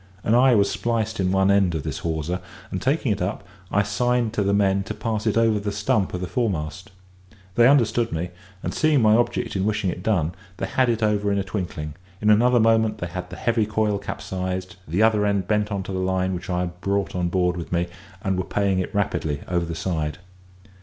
An eye was spliced in one end of this hawser; and taking it up, I signed to the men to pass it over the stump of the foremast. They understood me, and, seeing my object in wishing it done, they had it over in a twinkling; in another moment, they had the heavy coil capsized, the other end bent on to the line which I had brought on board with me, and were paying it rapidly over the side.